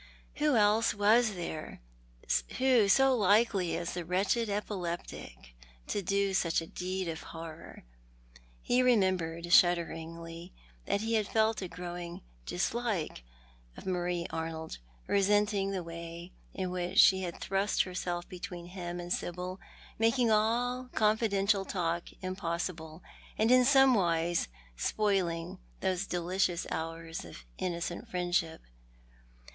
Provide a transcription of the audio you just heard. Who else was there— who so likely as the wretched epileptic — to do such a deed of horror? He remembered, shudderingly, that he had felt a growing dislike of Marie Arnold, resenting the way in which she had thrust herself between him and Sibyl, making all confidential talk impossible, and in some wise spoiling those delicious hours of innocent friendship.